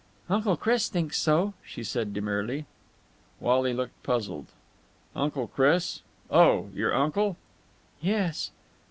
"Uncle Chris thinks so," she said demurely. Wally looked puzzled. "Uncle Chris? Oh, your uncle?" "Yes."